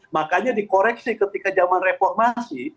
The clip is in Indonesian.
makanya dikoreksi ketika zaman reformasi